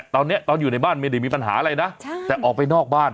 ตอนนี้ตอนอยู่ในบ้านไม่ได้มีปัญหาอะไรนะแต่ออกไปนอกบ้าน